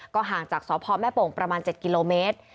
ห่างจากสพแม่โป่งประมาณ๗กิโลเมตร